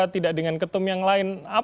tidak dengan ketum yang lain